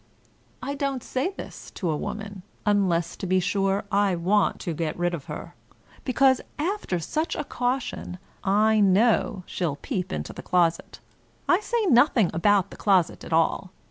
I don't say this to a woman — unless, to be sure, I want to get rid of her — ^because, after such a caution, I know she'll peep into the closet. I say nothing about the closet at all.